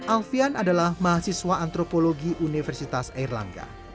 alfian adalah mahasiswa antropologi universitas erlangga